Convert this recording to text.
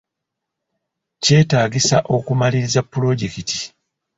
Kyetaagisa okumaliriza pulojekiti.